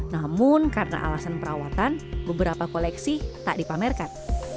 namun karena alasan perawatan beberapa koleksi tak dipamerkan